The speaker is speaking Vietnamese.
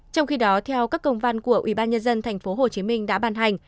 trong khi đó theo các công văn của ubnd tp hcm đã ban hành